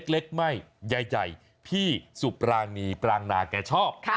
เล็กไม่ใหญ่พี่สุปรานีปรางนาแกชอบ